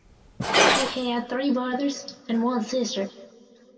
She had three brothers and one sister.